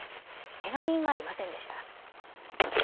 けが人はありませんでした。